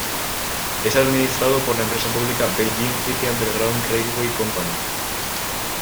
Es administrado por la empresa pública "Beijing City Underground Railway Company".